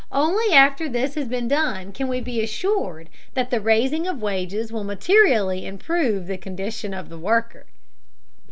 Only after this has been done can we be assured that the raising of wages will materially improve the condition of the worker.